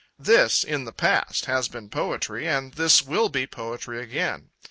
This, in the past, has been poetry, and this will be poetry again.